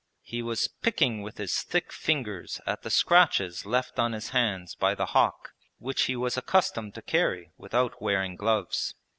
He was picking with his thick fingers at the scratches left on his hands by the hawk, which he was accustomed to carry without wearing gloves.